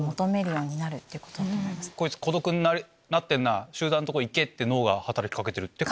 こいつ孤独になってんなぁ集団のとこ行け！って脳が働き掛けてるって形。